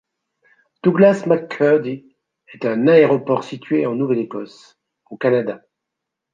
Douglas McCurdy est un aéroport situé en Nouvelle-Écosse, au Canada.